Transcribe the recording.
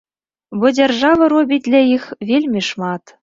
Бо дзяржава робіць для іх вельмі шмат.